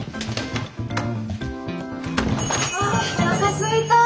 あおなかすいた！